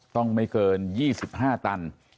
ต้องไม่เกิน๒๕ตัน